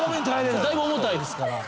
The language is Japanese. だいぶ重たいですから。